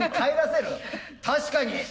確かに。